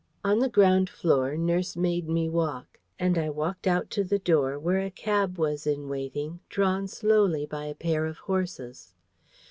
On the ground floor, nurse made me walk; and I walked out to the door, where a cab was in waiting, drawn slowly by a pair of horses.